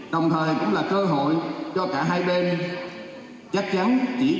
đồng thời cũng là cơ hội cho cả hai bên chắc chắn chỉ có thể hoàn thành